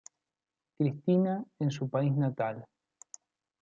Cristina, en su país natal.